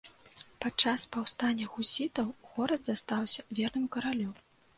Падчас паўстання гусітаў горад застаўся верным каралю.